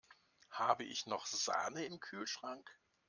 Habe ich noch Sahne im Kühlschrank?